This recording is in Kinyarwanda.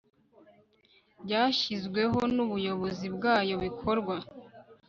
byashyizweho n ubuyobozi bwayo bikorwa